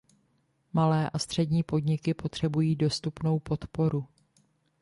Malé a střední podniky potřebují dostupnou podporu.